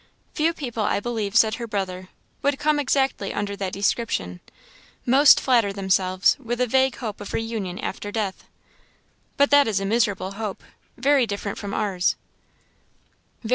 "Few people, I believe," said her brother, "would come exactly under that description; most flatter themselves with a vague hope of reunion after death." "But that is a miserable hope very different from ours."